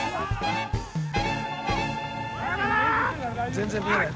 全然見えない。